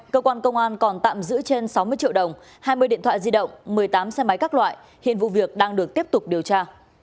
cơ quan công an còn tạm giữ trên sáu mươi triệu đồng hai mươi điện thoại di động một mươi tám xe máy các loại hiện vụ việc đang được tiếp tục điều tra